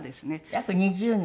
約２０年。